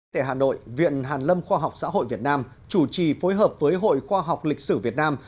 tại hà nội viện hàn lâm khoa học xã hội việt nam chủ trì phối hợp với hội khoa học lịch sử việt nam